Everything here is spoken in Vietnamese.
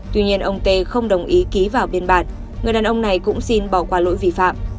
tuy nhiên ông tê không đồng ý ký vào biên bản người đàn ông này cũng xin bỏ qua lỗi vi phạm